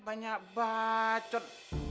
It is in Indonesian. ya banyak bacot